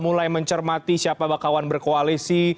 mulai mencermati siapa bakawan berkoalisi